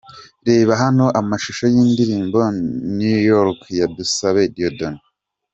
Reba hano amashusho y'indirimbo 'Network' ya Musabe Dieudonne.